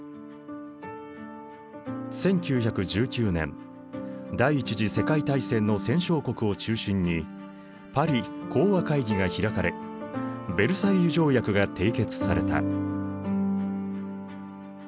１９１９年第一次世界大戦の戦勝国を中心にパリ講和会議が開かれヴェルサイユ条約が締結された。